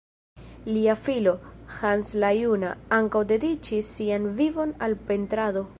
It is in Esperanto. Lia filo, Hans la juna, ankaŭ dediĉis sian vivon al pentrado.